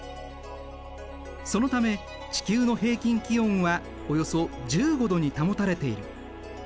そのため地球の平均気温はおよそ１５℃に保たれている。